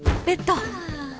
［ベッド！］